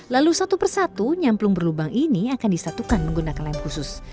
lalu satu persatu nyamplung berlubang ini akan disatukan menggunakan lem khusus